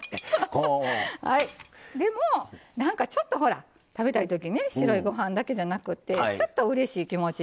でもなんかちょっとほら食べたい時ね白いご飯だけじゃなくてちょっとうれしい気持ちになる。